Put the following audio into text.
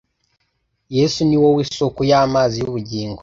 Yesu ni Wowe soko Y'amazi y'ubugingo,